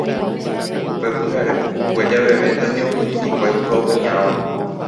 Upe pyhare pukukue javeve ndaje ohendu hikuái upe opiãva.